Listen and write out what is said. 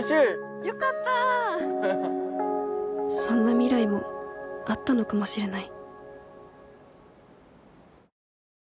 そんな未来もあったのかもしれない